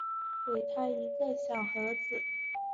给他一个小盒子